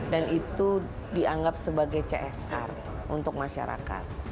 itu dianggap sebagai csr untuk masyarakat